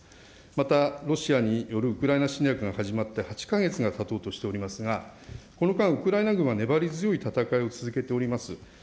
また、ロシアによるウクライナ侵略が始まって８か月がたとうとしておりますが、この間、ウクライナ軍は粘り強い戦いを続けております。